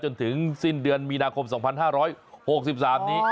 จนถึงสิ้นเดือนมีนาคม๒๕๖๓นี้